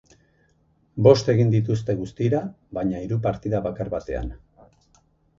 Bost egin dituzte guztira, baina hiru partida bakar batean.